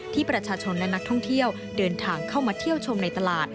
ที่ประชาชนและนักท่องเที่ยวเดินทางเข้ามาเที่ยวชมในตลาด